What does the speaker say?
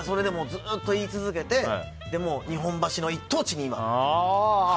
ずっと言い続けて日本橋の一等地に今。